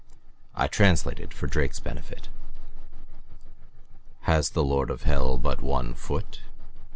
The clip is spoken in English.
I translated for Drake's benefit. "Has the lord of Hell but one foot?"